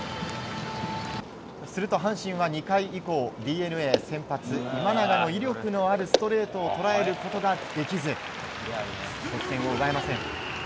すると、阪神は２回以降ＤｅＮＡ先発、今永の威力あるストレートを捉えることができず得点を奪えません。